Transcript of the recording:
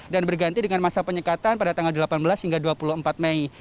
dan berganti dengan masa penyekatan pada tanggal delapan belas hingga dua puluh empat mei